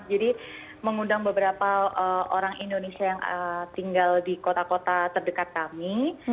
jadi mengundang beberapa orang indonesia yang tinggal di kota kota terdekat kami